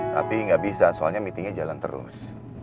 tapi nggak bisa soalnya meetingnya jalan terus